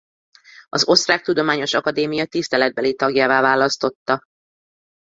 Az Osztrák Tudományos Akadémia tiszteletbeli tagjává választotta.